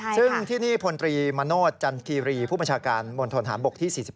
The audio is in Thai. ซึ่งที่นี่พลตรีมโนธจันคีรีผู้บัญชาการมณฑนฐานบกที่๔๑